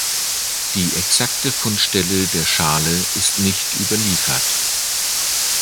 Die exakte Fundstelle der Schale ist nicht überliefert.